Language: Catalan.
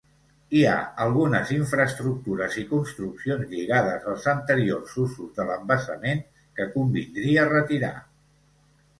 Hi ha algunes infraestructures i construccions lligades als anteriors usos de l'embassament, que convindria retirar.